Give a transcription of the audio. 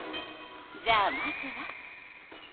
じゃあまずは。